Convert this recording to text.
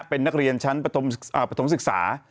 เป็นนักเรียนชั้นปฐมศึกษา